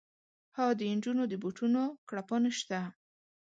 ها د نجونو د بوټونو کړپا نه شته